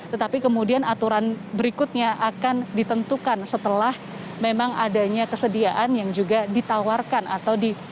tetapi kemudian aturan berikutnya akan ditentukan setelah memang adanya kesediaan yang juga ditawarkan atau di